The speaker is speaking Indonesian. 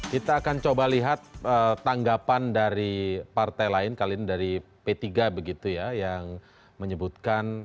kita akan coba lihat tanggapan dari partai lain kali ini dari p tiga begitu ya yang menyebutkan